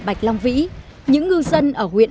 bạch long vĩ những ngư dân ở huyện